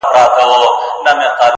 خيال ويل ه مـا پــرې وپاسه;